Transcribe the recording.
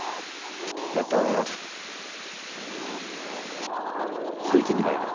また吹いてみないが？